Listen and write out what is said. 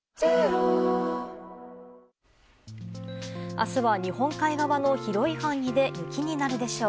明日は、日本海側の広い範囲で雪になるでしょう。